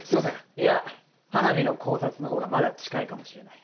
いや花火の考察のほうがまだ近いかもしれない。